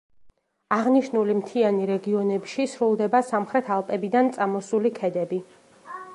აღნიშნული მთიანი რეგიონებში სრულდება სამხრეთ ალპებიდან წამოსული ქედები.